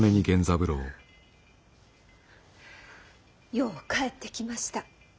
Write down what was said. よう帰ってきました。